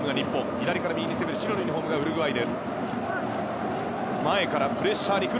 左から右に攻める白のユニホームがウルグアイ。